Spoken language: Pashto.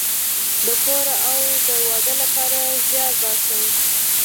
د کور او د واده لپاره زیار باسم